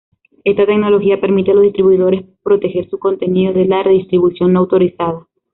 Esta tecnología permite a los distribuidores "proteger" su contenido de la redistribución no autorizada.